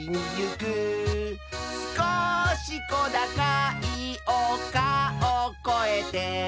「すこしこだかいおかをこえて」